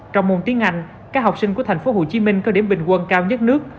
trong môn tiếng anh các học sinh của tp hcm có điểm bình quân cao nhất nước